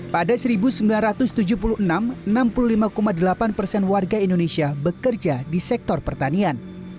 pada seribu sembilan ratus tujuh puluh enam enam puluh lima delapan persen warga indonesia bekerja di sektor pertanian